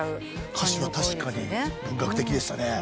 歌詞は確かに文学的でしたね。